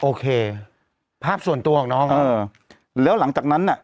โอเคภาพส่วนตัวของน้องเออแล้วหลังจากนั้นน่ะ